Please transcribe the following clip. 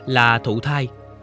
là thụ thai